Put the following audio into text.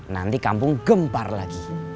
nanti kampung gempar lagi